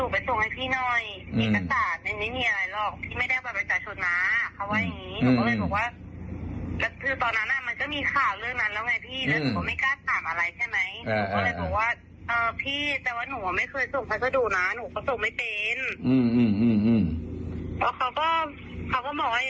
บอกว่าเออวิมเอาของพัสดุไปส่งให้พี่หน่อยมีการต่างไม่มีอะไรหรอกพี่ไม่ได้เอาไปจ่ายชุดน้า